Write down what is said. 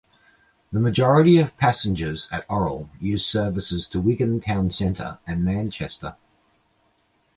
The majority of passengers at Orrell use services to Wigan town centre and Manchester.